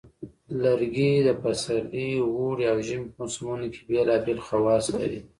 لرګي د پسرلي، اوړي، او ژمي په موسمونو کې بیلابیل خواص لري.